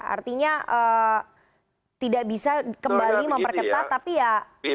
artinya tidak bisa kembali memperketat tapi ya akan terus